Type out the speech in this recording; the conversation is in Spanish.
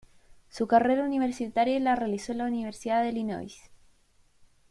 Su carrera universitaria la realizó en la Universidad de Illinois.